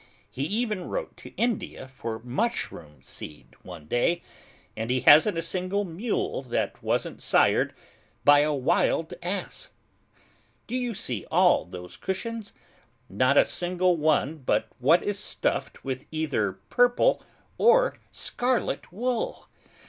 He even wrote to India for mushroom seed one day, and he hasn't a single mule that wasn't sired by a wild ass. Do you see all those cushions? Not a single one but what is stuffed with either purple or scarlet wool!